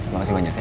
makasih banyak ya